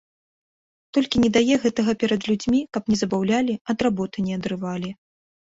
Толькі не дае гэтага перад людзьмі, каб не забаўлялі, ад работы не адрывалі.